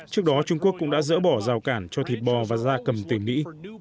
trước đó trung quốc cũng đã dỡ bỏ rào cản cho thịt bò và da cầm từ mỹ